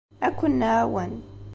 Ad ken-nɛawen.